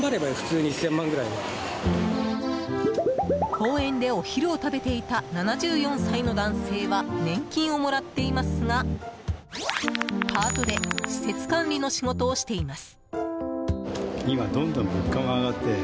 公園でお昼を食べていた７４歳の男性は年金をもらっていますがパートで施設管理の仕事をしています。